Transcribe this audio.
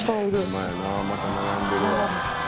また並んでるわ。